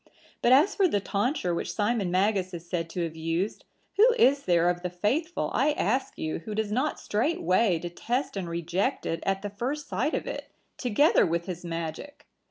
But as for the tonsure which Simon Magus is said to have used, who is there of the faithful, I ask you, who does not straightway detest and reject it at the first sight of it, together with his magic?